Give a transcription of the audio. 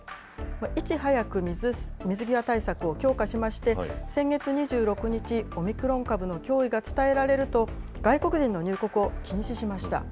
いち早く水際対策を強化しまして、先月２６日、オミクロン株の脅威が伝えられると、外国人の入国を禁止しました。